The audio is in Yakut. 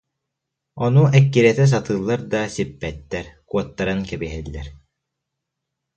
Ону эккирэтэ сатыыллар да, сиппэттэр, куоттаран кэбиһэллэр